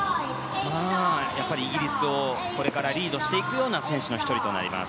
やっぱりイギリスをこれからリードしていくような選手の１人となります。